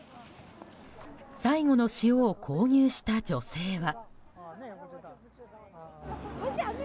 最後の塩を購入した女性は。